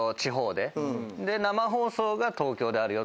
で生放送が東京であるよとか。